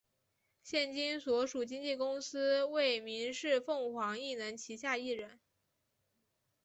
现今所属经纪公司为民视凤凰艺能旗下艺人。